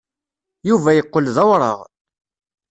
Yuba yeqqel d awraɣ.